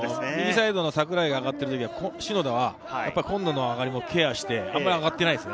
櫻井が上がっている時は篠田は今野の上がりもケアをして、あまり上がっていないんですよね。